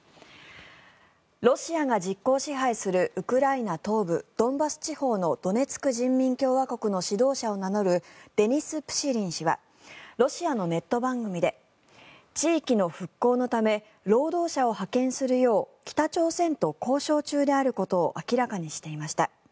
ロシアが実効支配するウクライナ東部ドンバス地方のドネツク人民共和国の指導者を名乗るデニス・プシリン氏はロシアのネット番組で地域の復興のため労働者を派遣するよう北朝鮮と交渉中であることを明らかにしていました。